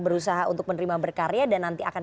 berusaha untuk menerima berkarya dan nanti akan